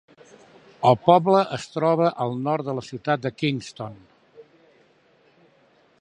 El poble es troba al nord de la ciutat de Kingston.